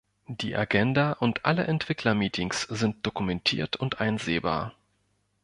Die Agenda und alle Entwickler-Meetings sind dokumentiert und einsehbar.